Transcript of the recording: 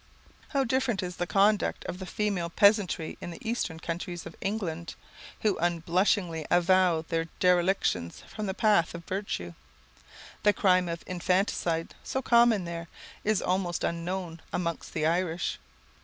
How different is the conduct of the female peasantry in the eastern counties of England, who unblushingly avow their derelictions from the paths of virtue. The crime of infanticide, so common there, is almost unknown among the Irish.